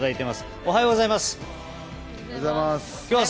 おはようございます。